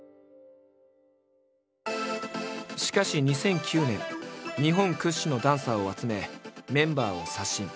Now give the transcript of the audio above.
しかし２００９年日本屈指のダンサーを集めメンバーを刷新。